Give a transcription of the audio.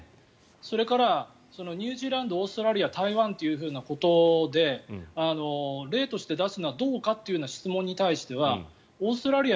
それから、ニュージーランドオーストラリア台湾ということで例として出すのはどうかという質問に対してはオーストラリア